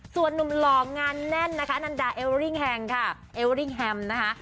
ส่วนนุมหล่องานแน่นอะอนันดาเอเวอริ่งแฮมนะคะ